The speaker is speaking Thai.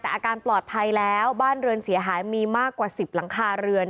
แต่อาการปลอดภัยแล้วบ้านเรือนเสียหายมีมากกว่า๑๐หลังคาเรือน